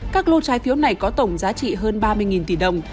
các lô trái phiếu này có tổng giá trị hơn ba mươi tỷ đồng